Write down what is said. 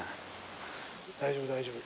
大丈夫、大丈夫。